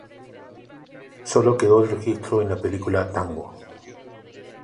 Solo quedó el registro en la película "Tango!